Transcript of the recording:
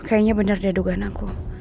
kayaknya bener dia dugaan aku